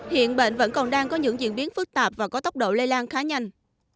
hiện bệnh vẫn còn đang có những diễn biến phức tạp và có tốc độ lây lan khá nhanh